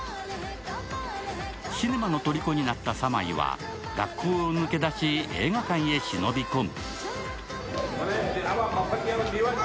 シネマのとりこになったサマイは学校を抜け出し映画館へ忍び込む。